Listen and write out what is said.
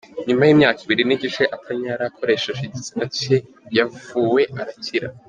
Nyuma y’imyaka Ibiri n’igice atanyara akoresheje igitsina cye yavuwe arakira